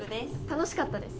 楽しかったです。